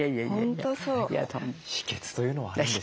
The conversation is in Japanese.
秘けつというのはあるんですか？